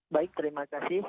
baik terima kasih